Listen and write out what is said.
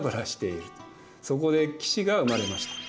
そこで騎士が生まれました。